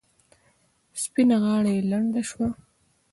سپینه غاړه یې لنده شوه.